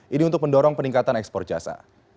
ini untuk mendorong peningkatan ekspor jasa